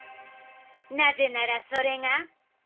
なぜならそれが。